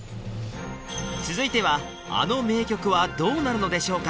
続いてはあの名曲はどうなるのでしょうか